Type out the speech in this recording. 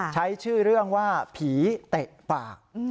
ใช้ชื่อเรื่องว่าผีเตะปาก